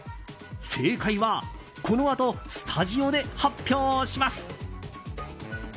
正解はこのあとスタジオで発表します。